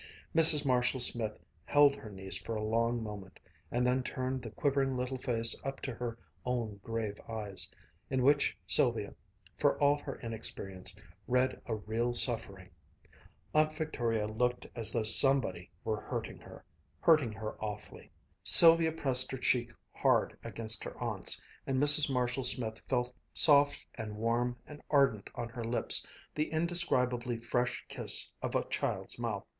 Mrs. Marshall Smith held her niece for a long moment and then turned the quivering little face up to her own grave eyes, in which Sylvia, for all her inexperience, read a real suffering. Aunt Victoria looked as though somebody were hurting her hurting her awfully Sylvia pressed her cheek hard against her aunt's, and Mrs. Marshall Smith felt, soft and Warm and ardent on her lips, the indescribably fresh kiss of a child's mouth.